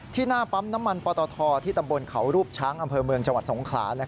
หน้าปั๊มน้ำมันปตทที่ตำบลเขารูปช้างอำเภอเมืองจังหวัดสงขลา